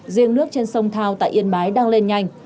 riêng nước trên sông thao tại yên bái đang lên nhanh